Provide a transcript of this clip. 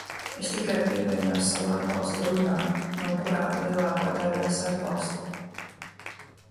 Es tikai pievienoju savu atbalstu runām, no kurām lielāko daļu es atbalstu.